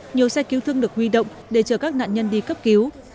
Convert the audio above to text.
nhiều xe cứu thương được huy động để chờ các nạn nhân đi cấp cứu